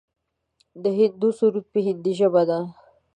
د هندو سرود په هندۍ ژبه دی.